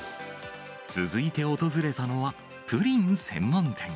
続いて訪れたのは、プリン専門店。